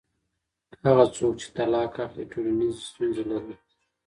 هغه څوک چې طلاق اخلي ټولنیزې ستونزې لري.